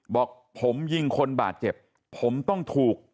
บอกผมยิงคนบาดเจ็บผมต้องถูก